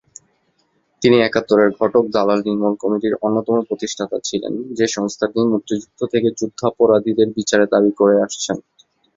তিনি একাত্তরের ঘটক দালাল নির্মল কমিটির অন্যতম প্রতিষ্ঠাতা ছিলেন, যে সংস্থাটি মুক্তিযুদ্ধ থেকে যুদ্ধাপরাধীদের বিচারের দাবি করে আসছে।